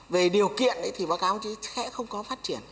về điều kiện thì báo cáo chứ sẽ không có phát triển